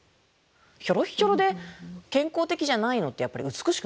ひょろっひょろで健康的じゃないのってやっぱり美しくないですから。